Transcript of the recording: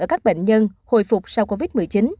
các bệnh nhân hồi phục sau covid một mươi chín